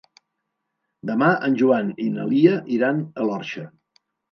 Demà en Joan i na Lia iran a l'Orxa.